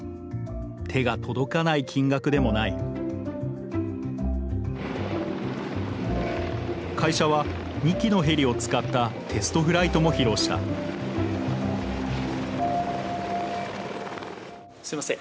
手が届かない金額でもない会社は２機のヘリを使ったテストフライトも披露したすみません